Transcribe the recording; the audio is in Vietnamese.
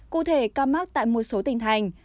cụ thể ca mắc tại một số tỉnh thành